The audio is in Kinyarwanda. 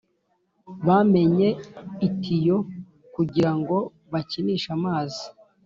Bamennye itiyo kugirango bakinishe amazi